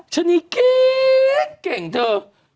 ฉันนี่เก่งเถอะ